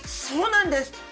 そうなんです。